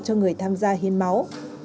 cho người tham gia hiên máu